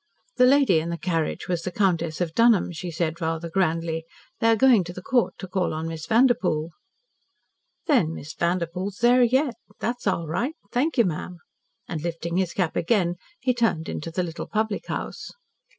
"The lady in the carriage was the Countess of Dunholm," she said rather grandly. "They are going to the Court to call on Miss Vanderpoel." "Then Miss Vanderpoel's there yet. That's all right. Thank you, ma'am," and lifting his cap again he turned into the little public house.